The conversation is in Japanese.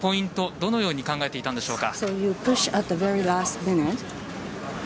どのように考えていたんでしょうか。